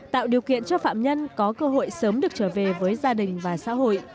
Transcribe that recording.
tạo điều kiện cho phạm nhân có cơ hội sớm được trở về với gia đình và xã hội